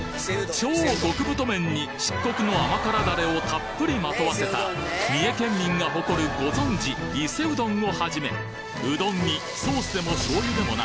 超極太麺に漆黒の甘辛ダレをたっぷりまとわせた三重県民が誇るご存じ伊勢うどんをはじめうどんにソースでも醤油でもない